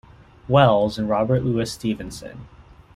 Wells and Robert Louis Stevenson.